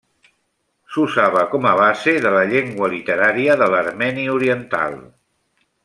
S'usava com a base de la llengua literària de l'armeni oriental.